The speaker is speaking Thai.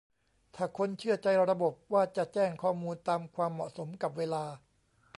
ถ้าคนเชื่อใจระบบว่าจะแจ้งข้อมูลตามความเหมาะสมกับเวลา